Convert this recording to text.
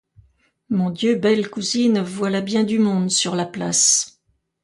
Mon Dieu, belle cousine, voilà bien du monde sur la place!